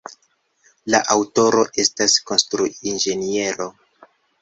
La aŭtoro estas konstruinĝeniero.